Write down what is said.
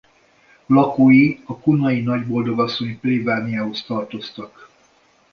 Lakói a kunai Nagyboldogasszony plébániához tartoztak.